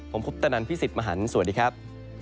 ผมคุปตนันพี่สิทธิ์มหันฯสวัสดีครับ